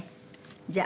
じゃあ。